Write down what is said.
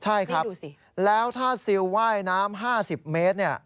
ใช่ครับแล้วถ้าซิลว่ายน้ำ๕๐เมตร